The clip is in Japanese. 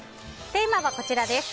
テーマはこちらです。